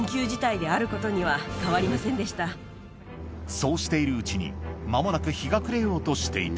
そうしているうちに間もなく日が暮れようとしていたと